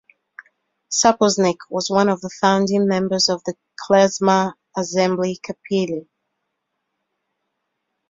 Sapoznik was one of the founding members of the klezmer ensemble Kapelye.